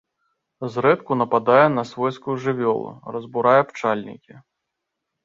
Зрэдку нападае на свойскую жывёлу, разбурае пчальнікі.